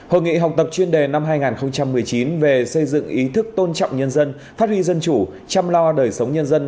hội nghị học tập chuyên đề năm hai nghìn một mươi chín về xây dựng ý thức tôn trọng nhân dân phát huy dân chủ chăm lo đời sống nhân dân